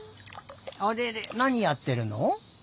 あれれなにやってるの？